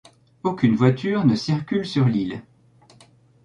Aucune voiture ne circule sur l'île.